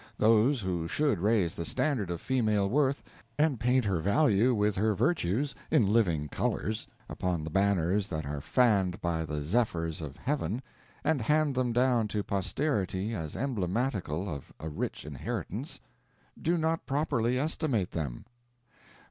Those who should raise the standard of female worth, and paint her value with her virtues, in living colors, upon the banners that are fanned by the zephyrs of heaven, and hand them down to posterity as emblematical of a rich inheritance, do not properly estimate them.